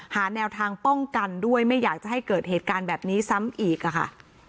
หาแนวทางป้องกันด้วยไม่อยากจะให้เกิดเหตุการณ์แบบนี้ซ้ำอีกอะค่ะ